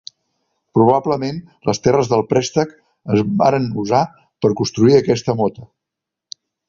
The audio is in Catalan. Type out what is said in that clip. Probablement les terres del préstec es varen usar per construir aquesta mota.